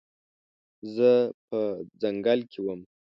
زه په ځنګل کې وم